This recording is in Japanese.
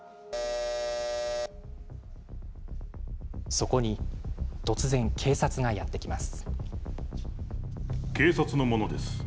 そこに突然、警察がやって来ます。